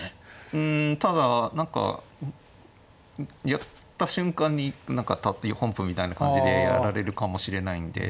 うんただ何かやった瞬間に何か本譜みたいな感じでやられるかもしれないんで。